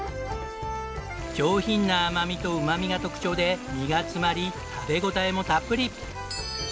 上品な甘みとうまみが特徴で身が詰まり食べ応えもたっぷり！